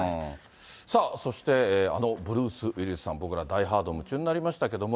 さあ、そして、あのブルース・ウィリスさん、僕ら、ダイ・ハード夢中になりましたけども。